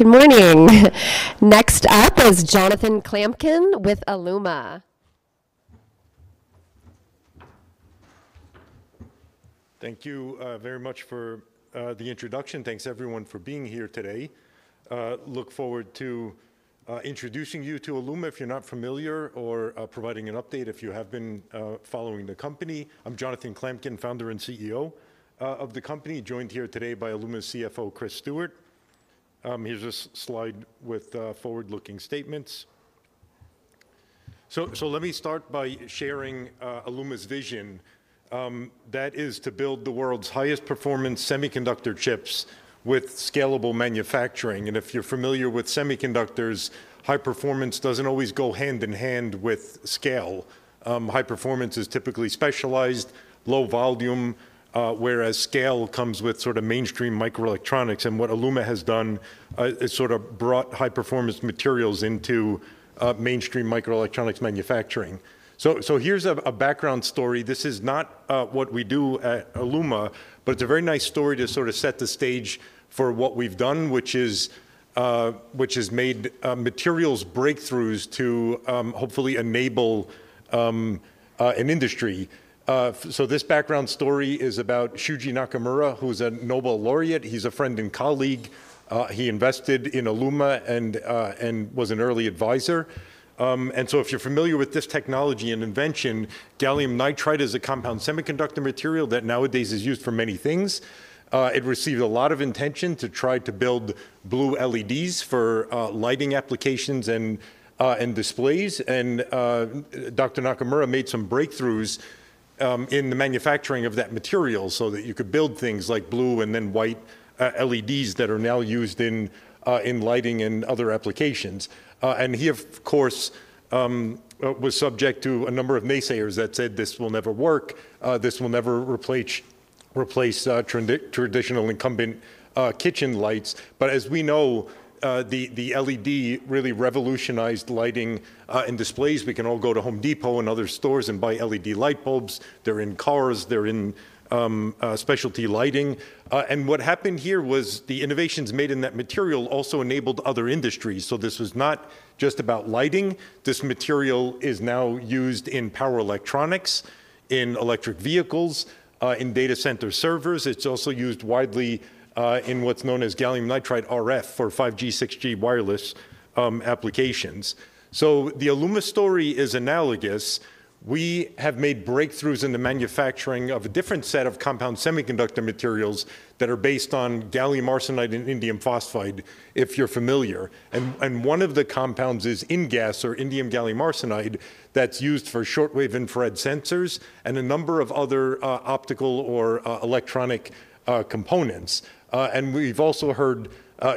Good morning. Next up is Jonathan Klamkin with Aeluma. Thank you very much for the introduction. Thanks everyone for being here today. Look forward to introducing you to Aeluma if you're not familiar or providing an update if you have been following the company. I'm Jonathan Klamkin, Founder and CEO of the company, joined here today by Aeluma CFO, Chris Stewart. Here's a slide with forward-looking statements. Let me start by sharing Aeluma's vision, that is to build the world's highest performance semiconductor chips with scalable manufacturing. If you're familiar with semiconductors, high performance doesn't always go hand in hand with scale. High performance is typically specialized, low volume, whereas scale comes with sort of mainstream microelectronics. What Aeluma has done, it sort of brought high performance materials into mainstream microelectronics manufacturing. Here's a background story. This is not what we do at Aeluma, but it's a very nice story to sort of set the stage for what we've done, which has made materials breakthroughs to hopefully enable an industry. This background story is about Shuji Nakamura, who's a Nobel laureate. He's a friend and colleague. He invested in Aeluma and was an early advisor. If you're familiar with this technology and invention, gallium nitride is a compound semiconductor material that nowadays is used for many things. It received a lot of intention to try to build blue LEDs for lighting applications and displays. Dr. Nakamura made some breakthroughs in the manufacturing of that material so that you could build things like blue and then white LEDs that are now used in lighting and other applications. He, of course, was subject to a number of naysayers that said, "This will never work. This will never replace traditional incumbent kitchen lights." But as we know, the LED really revolutionized lighting and displays. We can all go to Home Depot and other stores and buy LED light bulbs. They're in cars. They're in specialty lighting. What happened here was the innovations made in that material also enabled other industries. This was not just about lighting. This material is now used in power electronics, in electric vehicles, in data center servers. It's also used widely in what's known as gallium nitride RF for 5G, 6G wireless applications. The Aeluma story is analogous. We have made breakthroughs in the manufacturing of a different set of compound semiconductor materials that are based on gallium arsenide and indium phosphide, if you're familiar. One of the compounds is InGaAs or indium gallium arsenide that's used for shortwave infrared sensors and a number of other optical or electronic components. And we've also heard,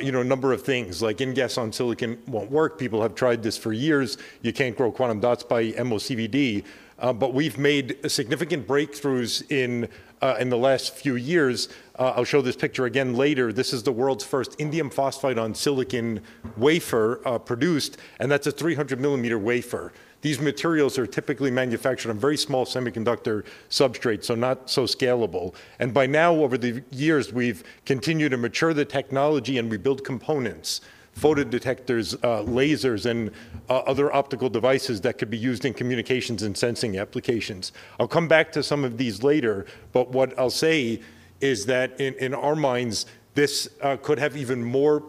you know, a number of things like InGaAs on silicon won't work, people have tried this for years, you can't grow quantum dots by MOCVD. But we've made significant breakthroughs in the last few years. I'll show this picture again later. This is the world's first indium phosphide on silicon wafer produced, and that's a 300 mm wafer. These materials are typically manufactured on very small semiconductor substrates, so not so scalable. By now, over the years, we've continued to mature the technology, and we build components, photodetectors, lasers, and other optical devices that could be used in communications and sensing applications. I'll come back to some of these later, but what I'll say is that in our minds, this could have even more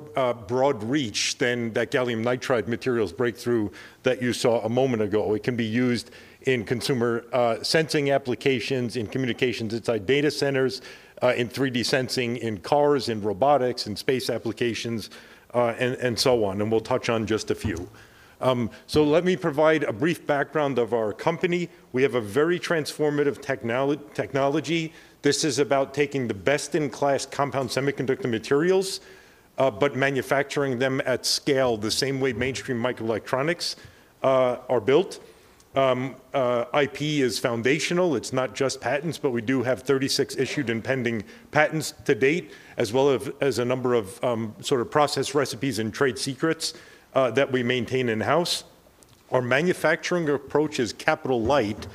broad reach than that gallium nitride materials breakthrough that you saw a moment ago. It can be used in consumer sensing applications, in communications inside data centers, in 3D sensing, in cars, in robotics, in space applications, and so on, and we'll touch on just a few. Let me provide a brief background of our company. We have a very transformative technology. This is about taking the best-in-class compound semiconductor materials, but manufacturing them at scale the same way mainstream microelectronics are built. IP is foundational. It's not just patents, but we do have 36 issued and pending patents to date, as well as a number of sort of process recipes and trade secrets that we maintain in-house. Our manufacturing approach is capital light.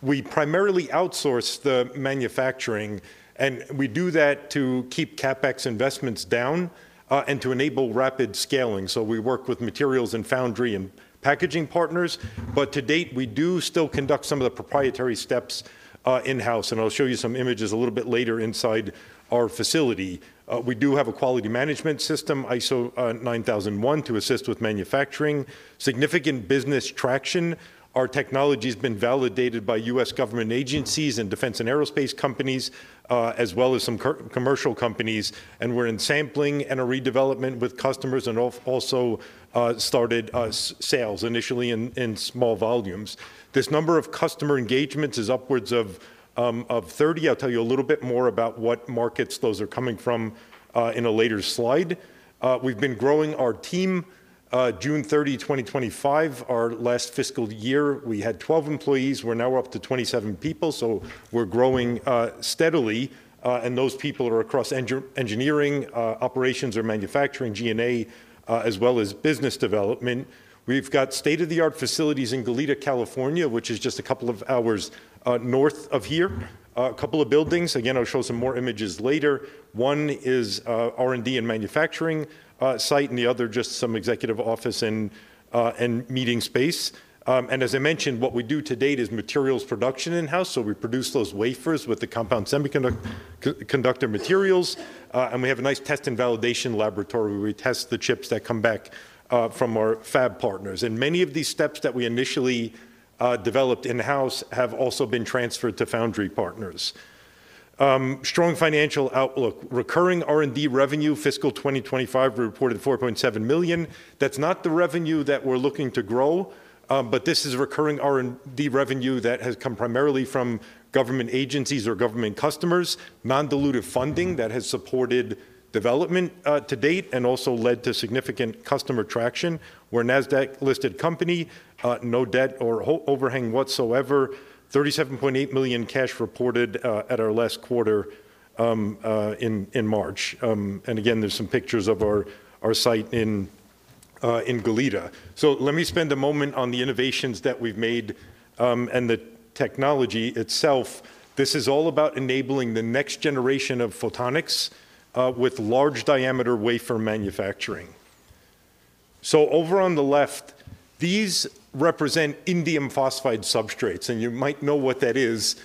We primarily outsource the manufacturing, and we do that to keep CapEx investments down and to enable rapid scaling. So, we work with materials and foundry and packaging partners, but to date, we do still conduct some of the proprietary steps in-house, and I'll show you some images a little bit later inside our facility. We do have a quality management system, ISO 9001, to assist with manufacturing. Significant business traction. Our technology's been validated by U.S. government agencies and defense and aerospace companies, as well as some commercial companies. We're in sampling and a redevelopment with customers and also started sales initially in small volumes. This number of customer engagements is upwards of 30. I'll tell you a little bit more about what markets those are coming from, in a later slide. We've been growing our team. June 30, 2025, our last fiscal year, we had 12 employees. We're now up to 27 people, so we're growing steadily. Those people are across engineering, operations or manufacturing, G&A, as well as business development. We've got state-of-the-art facilities in Goleta, California, which is just a couple of hours north of here. A couple of buildings, again, I'll show some more images later. One is R&D and manufacturing site, and the other just some executive office and meeting space. As I mentioned, what we do to date is materials production in-house, so we produce those wafers with the compound semiconductor materials. We have a nice test and validation laboratory where we test the chips that come back from our fab partners. Many of these steps that we initially developed in-house have also been transferred to foundry partners. Strong financial outlook. Recurring R&D revenue fiscal 2025, we reported $4.7 million. That's not the revenue that we're looking to grow, but this is recurring R&D revenue that has come primarily from government agencies or government customers, non-dilutive funding that has supported development to date, and also led to significant customer traction. We're a Nasdaq-listed company, no debt or overhang whatsoever. $37.8 million cash reported at our last quarter in March. Again, there's some pictures of our site in Goleta. Let me spend a moment on the innovations that we've made and the technology itself. This is all about enabling the next generation of photonics with large diameter wafer manufacturing. Over on the left, these represent indium phosphide substrates, and you might know what that is,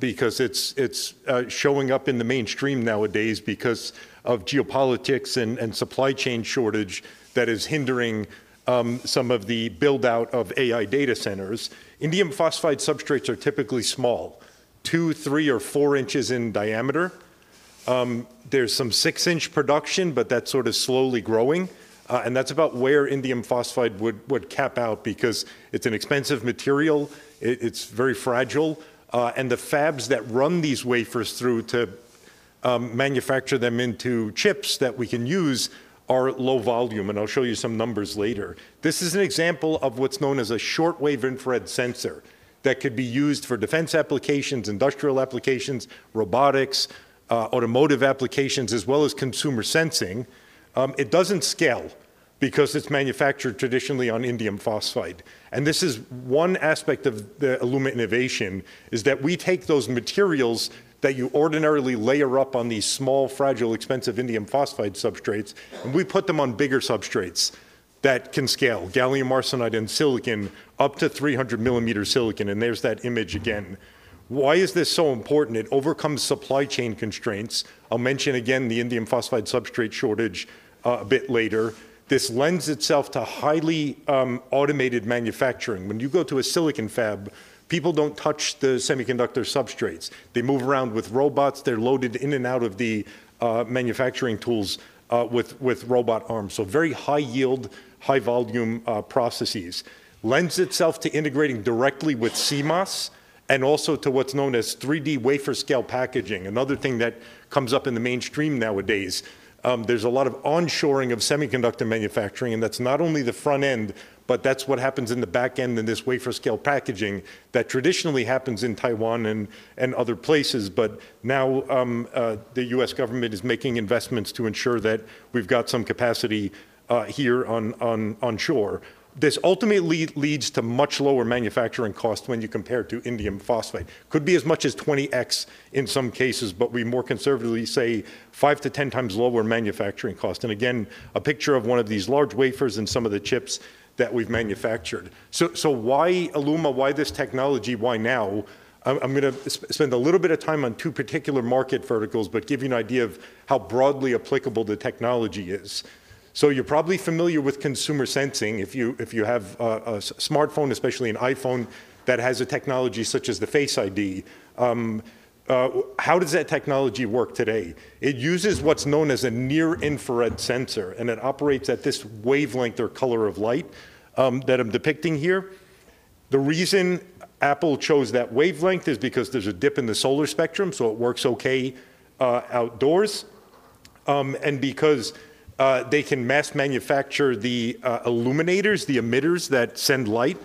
because it's showing up in the mainstream nowadays because of geopolitics and supply chain shortage that is hindering some of the build-out of AI data centers. Indium phosphide substrates are typically small, 2 in, 3 in, or 4 in in diameter. There's some 6-in production, but that's sort of slowly growing. And that's about where indium phosphide would cap out because it's an expensive material, it's very fragile, and the fabs that run these wafers through to manufacture them into chips that we can use are low volume, and I'll show you some numbers later. This is an example of what's known as a shortwave infrared sensor that could be used for defense applications, industrial applications, robotics, automotive applications, as well as consumer sensing. It doesn't scale because it's manufactured traditionally on indium phosphide. This is one aspect of the Aeluma innovation, is that we take those materials that you ordinarily layer up on these small, fragile, expensive indium phosphide substrates, and we put them on bigger substrates that can scale. Gallium arsenide and silicon, up to 300 mm silicon, and there's that image again. Why is this so important? It overcomes supply chain constraints. I'll mention again the indium phosphide substrate shortage a bit later. This lends itself to highly automated manufacturing. When you go to a silicon fab, people don't touch the semiconductor substrates. They move around with robots. They're loaded in and out of the manufacturing tools with robot arms, so very high yield, high-volume processes. Lends itself to integrating directly with CMOS and also to what's known as 3D wafer-scale packaging, another thing that comes up in the mainstream nowadays. There's a lot of onshoring of semiconductor manufacturing, and that's not only the front end, but that's what happens in the back end in this wafer scale packaging that traditionally happens in Taiwan and other places. But now, the U.S. government is making investments to ensure that we've got some capacity here on shore. This ultimately leads to much lower manufacturing cost when you compare it to indium phosphide, could be as much as 20x in some cases, but we more conservatively say 5x-10x lower manufacturing cost. Again, a picture of one of these large wafers and some of the chips that we've manufactured. So, why Aeluma? Why this technology? Why now? I'm gonna spend a little bit of time on two particular market verticals but give you an idea of how broadly applicable the technology is. You're probably familiar with consumer sensing if you have a smartphone, especially an iPhone, that has a technology such as the Face ID. How does that technology work today? It uses what's known as a near-infrared sensor, and it operates at this wavelength or color of light that I'm depicting here. The reason Apple chose that wavelength is because there's a dip in the solar spectrum, so it works okay outdoors, and because they can mass manufacture the illuminators, the emitters that send light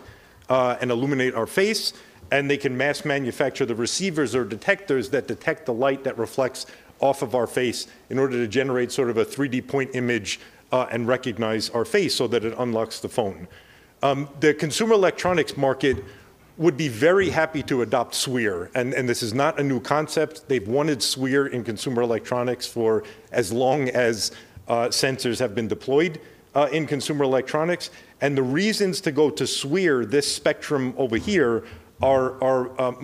and illuminate our face, and they can mass manufacture the receivers or detectors that detect the light that reflects off of our face in order to generate sort of a 3D point image and recognize our face so that it unlocks the phone. The consumer electronics market would be very happy to adopt SWIR, and this is not a new concept. They've wanted SWIR in consumer electronics for as long as sensors have been deployed in consumer electronics. The reasons to go to SWIR, this spectrum over here, are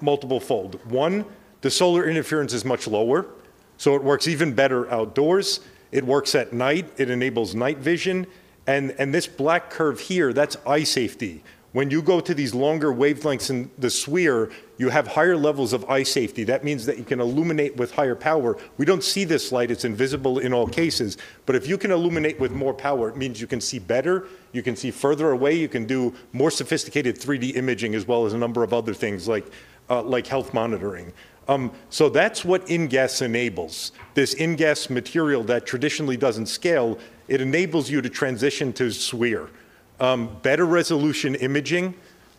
multiple fold. One, the solar interference is much lower, so it works even better outdoors. It works at night. It enables night vision. This black curve here, that's eye safety. When you go to these longer wavelengths in the SWIR, you have higher levels of eye safety. That means that you can illuminate with higher power. We don't see this light, it's invisible in all cases. But if you can illuminate with more power, it means you can see better, you can see further away, you can do more sophisticated 3D imaging as well as a number of other things like health monitoring. That's what InGaAs enables. This InGaAs material that traditionally doesn't scale, it enables you to transition to SWIR. Better resolution imaging,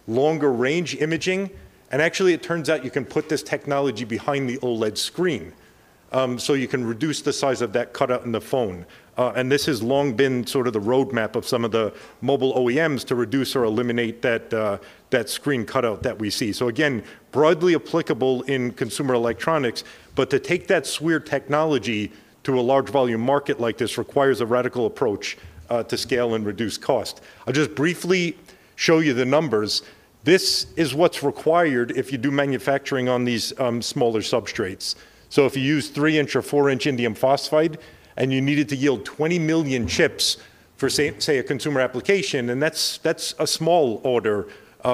longer range imaging, and actually it turns out you can put this technology behind the OLED screen, so you can reduce the size of that cutout in the phone. This has long been sort of the roadmap of some of the mobile OEMs to reduce or eliminate that screen cutout that we see. Again, broadly applicable in consumer electronics, but to take that SWIR technology to a large volume market like this requires a radical approach to scale and reduce cost. I'll just briefly show you the numbers. This is what's required if you do manufacturing on these smaller substrates. If you use 3-in or 4-in indium phosphide and you need it to yield 20 million chips for, say, a consumer application, and that's a small order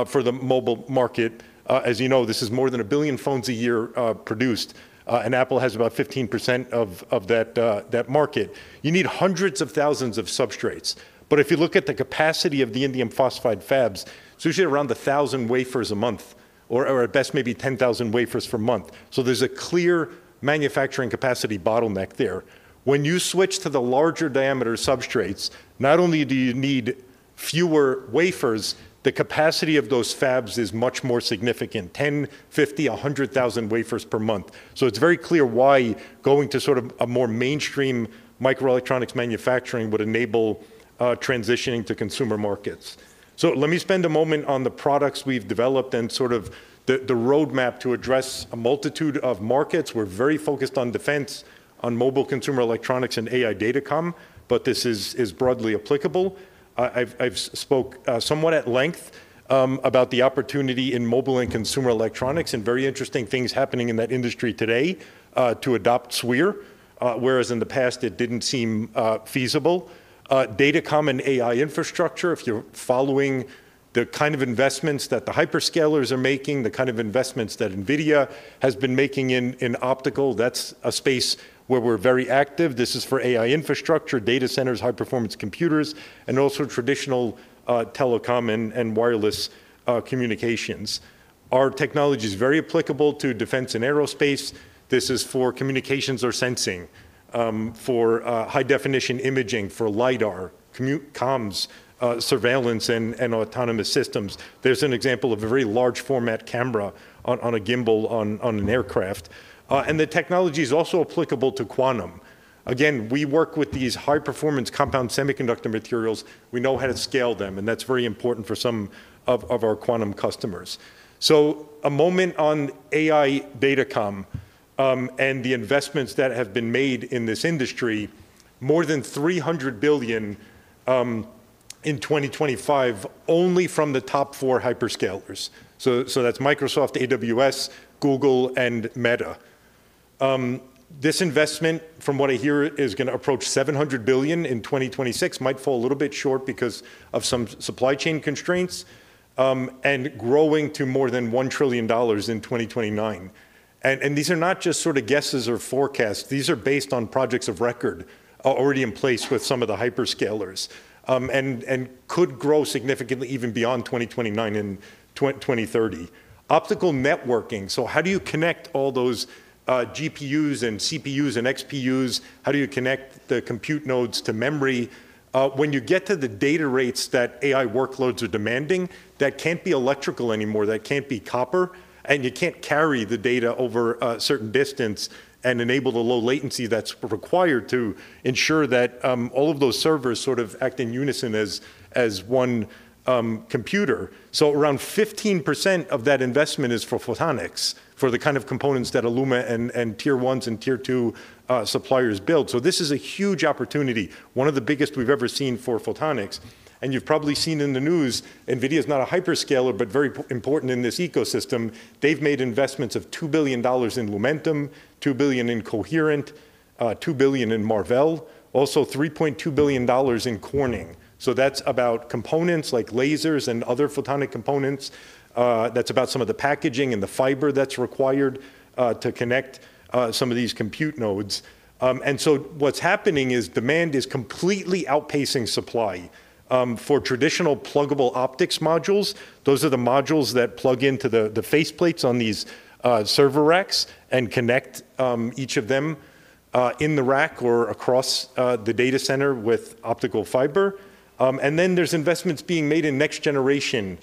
for the mobile market, as you know, this is more than 1 billion phones a year produced, and Apple has about 15% of that market, you need hundreds of thousands of substrates. If you look at the capacity of the indium phosphide fabs, it's usually around 1,000 wafers a month or at best, maybe 10,000 wafers per month. There's a clear manufacturing capacity bottleneck there. When you switch to the larger diameter substrates, not only do you need fewer wafers, the capacity of those fabs is much more significant, 10,000, 50,000, 100,000 wafers per month. It's very clear why going to sort of a more mainstream microelectronics manufacturing would enable transitioning to consumer markets. Let me spend a moment on the products we've developed and sort of the roadmap to address a multitude of markets. We're very focused on defense, on mobile consumer electronics and AI data comm, but this is broadly applicable. I've spoke somewhat at length about the opportunity in mobile and consumer electronics, and very interesting things happening in that industry today to adopt SWIR, whereas in the past it didn't seem feasible. Data comm and AI infrastructure, if you're following the kind of investments that the hyperscalers are making, the kind of investments that NVIDIA has been making in optical, that's a space where we're very active. This is for AI infrastructure, data centers, high-performance computers, and also traditional telecom and wireless communications. Our technology is very applicable to defense and aerospace. This is for communications or sensing, for high-definition imaging, for LIDAR, comms, surveillance, and autonomous systems. There's an example of a very large format camera on a gimbal on an aircraft. The technology is also applicable to quantum. Again, we work with these high-performance compound semiconductor materials. We know how to scale them, and that's very important for some of our quantum customers. So, a moment on AI data comm and the investments that have been made in this industry, more than $300 billion in 2025 only from the top four hyperscalers. So, that's Microsoft, AWS, Google, and Meta. This investment, from what I hear, is gonna approach $700 billion in 2026, might fall a little bit short because of some supply chain constraints, and growing to more than $1 trillion in 2029. These are not just sorta guesses or forecasts. These are based on projects of record already in place with some of the hyperscalers and could grow significantly even beyond 2029 and 2030. Optical networking. So, how do you connect all those GPUs and CPUs and XPUs? How do you connect the compute nodes to memory? When you get to the data rates that AI workloads are demanding, that can't be electrical anymore, that can't be copper, and you can't carry the data over a certain distance and enable the low latency that's required to ensure that all of those servers sort of act in unison as one computer. Around 15% of that investment is for photonics, for the kind of components that Aeluma and Tier 1 and Tier 2 suppliers build. This is a huge opportunity, one of the biggest we've ever seen for photonics. You've probably seen in the news, NVIDIA is not a hyperscaler, but very important in this ecosystem. They've made investments of $2 billion in Lumentum, $2 billion in Coherent, $2 billion in Marvell, also $3.2 billion in Corning. That's about components like lasers and other photonic components. That's about some of the packaging and the fiber that's required to connect some of these compute nodes. What's happening is, demand is completely outpacing supply for traditional pluggable optics modules. Those are the modules that plug into the faceplates on these server racks and connect each of them in the rack or across the data center with optical fiber. Then, there's investments being made in next-generation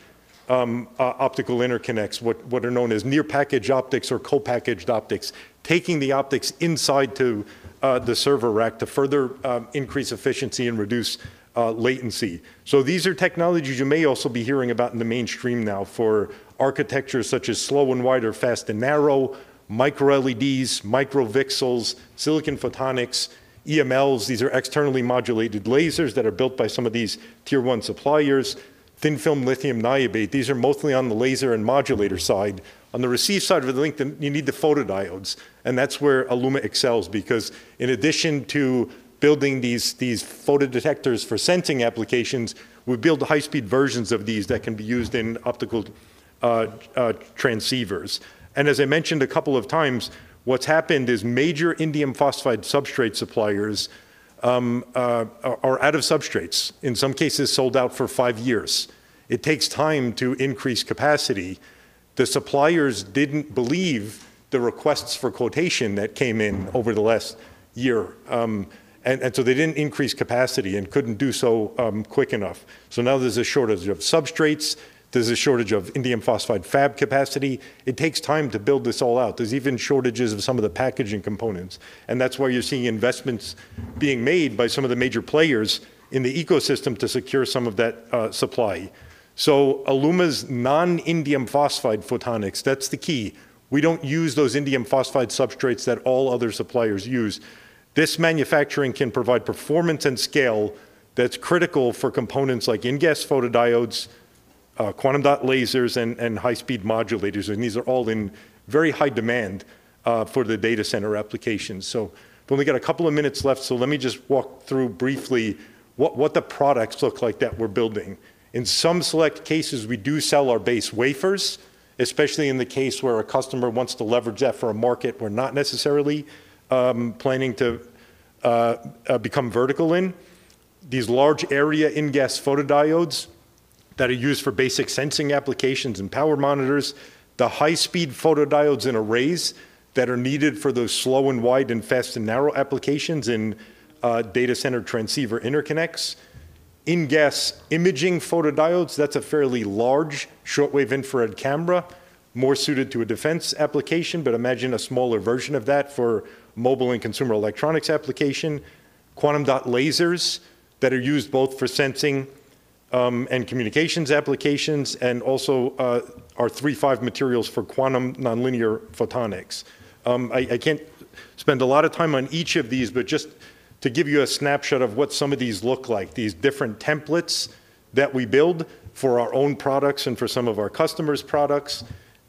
optical interconnects, what are known as near package optics or co-packaged optics, taking the optics inside to the server rack to further increase efficiency and reduce latency. These are technologies you may also be hearing about in the mainstream now for architectures such as slow and wide or fast and narrow, micro-LEDs, micro VCSELs, silicon photonics, EMLs. These are externally modulated lasers that are built by some of these Tier 1 suppliers. Thin film lithium niobate. These are mostly on the laser and modulator side. On the receive side of the link, you need the photodiodes, and that's where Aeluma excels because in addition to building these photodetectors for sensing applications, we build the high-speed versions of these that can be used in optical transceivers. As I mentioned a couple of times, what's happened is major indium phosphide substrate suppliers are out of substrates, in some cases sold out for five years. It takes time to increase capacity. The suppliers didn't believe the requests for quotation that came in over the last year, and so, they didn't increase capacity and couldn't do so quick enough. Now, there's a shortage of substrates. There's a shortage of indium phosphide fab capacity. It takes time to build this all out. There's even shortages of some of the packaging components, and that's why you're seeing investments being made by some of the major players in the ecosystem to secure some of that supply. Aeluma's non-indium phosphide photonics, that's the key. We don't use those indium phosphide substrates that all other suppliers use. This manufacturing can provide performance and scale that's critical for components like InGaAs photodiodes, quantum dot lasers, and high-speed modulators, and these are all in very high demand for the data center applications. We only got a couple of minutes left, so let me just walk through briefly what the products look like that we're building. In some select cases, we do sell our base wafers, especially in the case where a customer wants to leverage that for a market we're not necessarily planning to become vertical in. These large area InGaAs photodiodes that are used for basic sensing applications and power monitors. The high-speed photodiodes and arrays that are needed for those slow and wide and fast and narrow applications in data center transceiver interconnects. InGaAs imaging photodiodes, that's a fairly large shortwave infrared camera more suited to a defense application. Imagine a smaller version of that for mobile and consumer electronics application. Quantum dot lasers that are used both for sensing and communications applications, and also our III-V materials for quantum nonlinear photonics. I can't spend a lot of time on each of these, but just to give you a snapshot of what some of these look like, these different templates that we build for our own products and for some of our customers' products.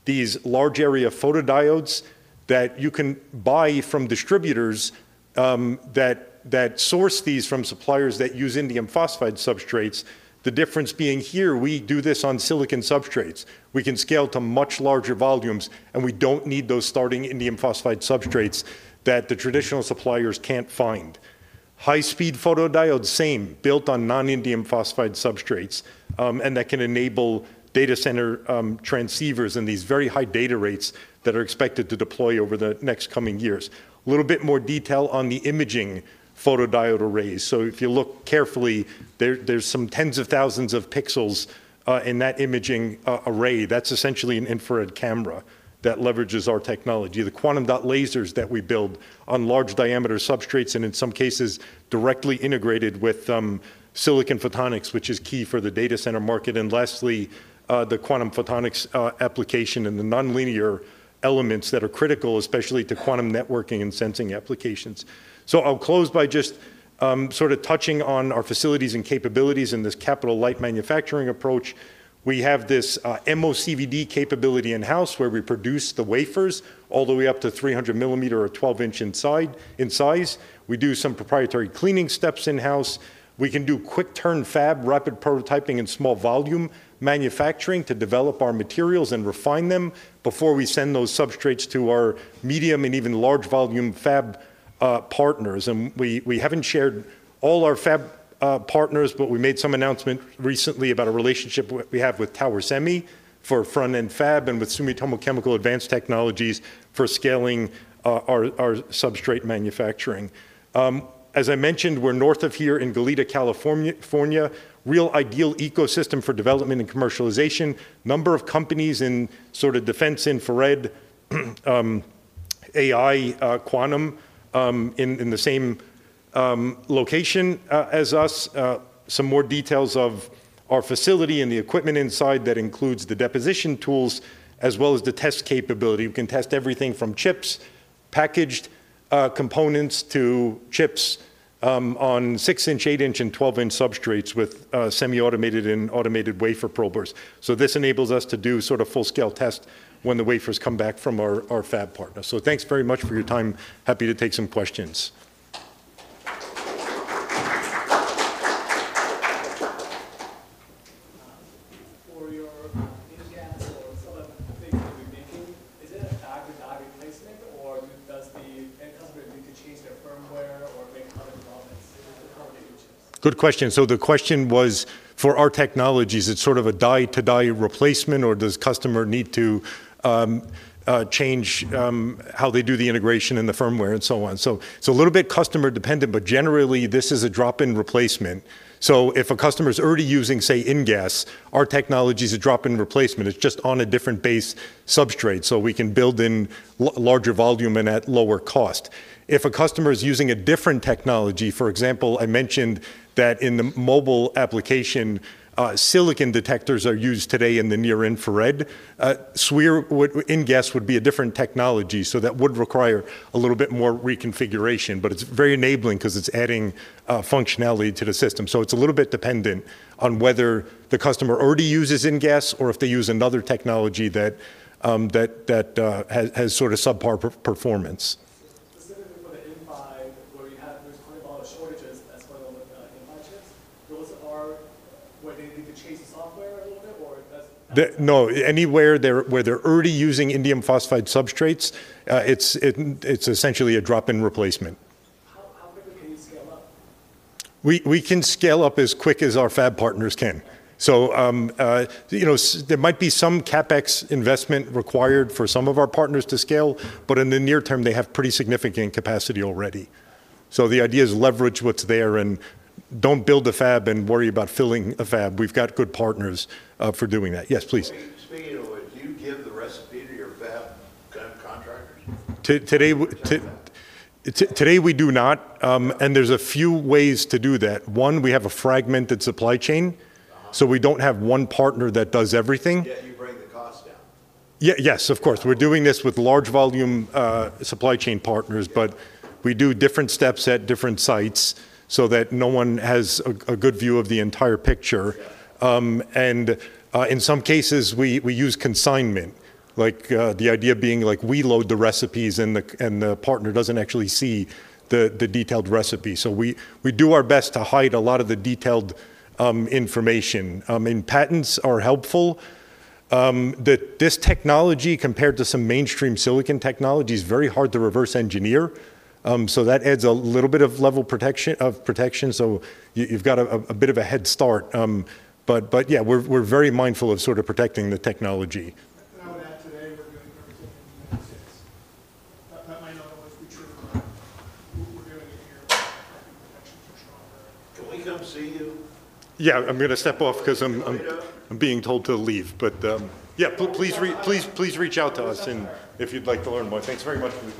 These large area photodiodes that you can buy from distributors that source these from suppliers that use indium phosphide substrates. The difference being here we do this on silicon substrates. We can scale to much larger volumes, and we don't need those starting indium phosphide substrates that the traditional suppliers can't find. High-speed photodiode, same. Built on non-indium phosphide substrates, and that can enable data center transceivers in these very high data rates that are expected to deploy over the next coming years. Little bit more detail on the imaging photodiode arrays. If you look carefully, there's some tens of thousands of pixels in that imaging array. That's essentially an infrared camera that leverages our technology. The quantum dot lasers that we build on large diameter substrates and, in some cases, directly integrated with silicon photonics, which is key for the data center market. Lastly, the quantum photonics application and the nonlinear elements that are critical, especially to quantum networking and sensing applications. I'll close by just sort of touching on our facilities and capabilities in this capital light manufacturing approach. We have this MOCVD capability in-house where we produce the wafers all the way up to 300 mm or 12 in in size. We do some proprietary cleaning steps in-house. We can do quick turn fab rapid prototyping and small volume manufacturing to develop our materials and refine them before we send those substrates to our medium and even large volume fab partners. We haven't shared all our fab partners, but we made some announcement recently about a relationship we have with Tower Semi for front-end fab and with Sumitomo Chemical Advanced Technologies for scaling our substrate manufacturing. As I mentioned, we're north of here in Goleta, California, real ideal ecosystem for development and commercialization. Number of companies in sort of defense infrared, AI, quantum, in the same location as us. Some more details of our facility and the equipment inside that includes the deposition tools as well as the test capability. We can test everything from chips, packaged components to chips on 6-in, 8-in, and 12-in substrates with semi-automated and automated wafer probers. This enables us to do sort of full-scale tests when the wafers come back from our fab partners. Thanks very much for your time. Happy to take some questions. For your InGaAs or some of the things that you're making, is it a die-to-die replacement or does the end customer need to change their firmware or make other developments? How are they reaching this? Good question. The question was, for our technologies, it's sort of a die-to-die replacement or does customer need to change how they do the integration and the firmware and so on? It's a little bit customer-dependent, but generally, this is a drop-in replacement. If a customer is already using, say, InGaAs, our technology's a drop-in replacement. It's just on a different base substrate, so we can build in larger volume and at lower cost. If a customer is using a different technology, for example, I mentioned that in the mobile application, silicon detectors are used today in the near-infrared, so InGaAs would be a different technology, so that would require a little bit more reconfiguration. But it's very enabling 'cause it's adding functionality to the system. It's a little bit dependent on whether the customer already uses InGaAs or if they use another technology that has sort of subpar performance. where there's quite a lot of shortages as well with InP chips, those are? No. Anywhere they're, where they're already using indium phosphide substrates, it's essentially a drop-in replacement. How quickly can you scale up? We can scale up as quick as our fab partners can. You know, there might be some CapEx investment required for some of our partners to scale, but in the near term, they have pretty significant capacity already. The idea is leverage what's there and don't build a fab and worry about filling a fab. We've got good partners for doing that. Yes, please. Speaking of, do you give the recipe to your fab kind of contractors? Today we do not. There's a few ways to do that. One, we have a fragmented supply chain, so we don't have one partner that does everything. Yeah, you bring the cost down? Yes, of course. We're doing this with large volume, supply chain partners. Yeah. But we do different steps at different sites so that no one has a good view of the entire picture. Yeah. In some cases, we use consignment. The idea being we load the recipes and the partner doesn't actually see the detailed recipe. We do our best to hide a lot of the detailed information. I mean, patents are helpful. This technology compared to some mainstream silicon technology is very hard to reverse engineer. That adds a little bit of level of protection. You've got a bit of a head start. Yeah, we're very mindful of sort of protecting the technology. today we're doing everything in the United States. That might not always be true. Can we come see you? Yeah. I'm gonna step off 'cause I'm being told to leave, but yeah, please reach out to us if you'd like to learn more. Thanks very much for your time.